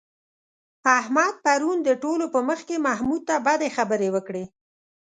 احمد پرون د ټولو په مخ کې محمود ته بدې خبرې وکړې.